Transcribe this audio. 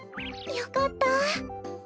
よかった。